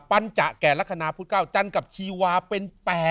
ปัญจแก่ลักษณะพุทธ๙จันทร์กับชีวาเป็น๘